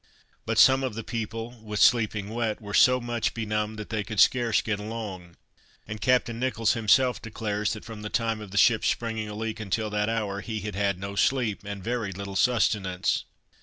But some of the people, with sleeping wet, were so much benumbed, that they could scarce get along; and captain Nicholls himself declares, that, from the time of the ship's springing a leak, until that hour, he had had no sleep, and very little sustenance.